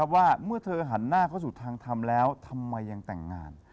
ว่าเมื่อเธอหันหน้าเข้าสู่ทางทำแล้วทำไมยังแต่งงาน